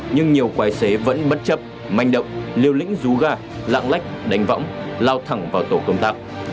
nhưng nhiều tài xế vẫn bất chấp manh động liều lĩnh rú ga lạng lách đánh võng lao thẳng vào tổ công tác